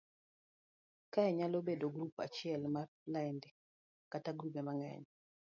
Kae nyalo bedo grup achiel mar lainde kata grube mang'eny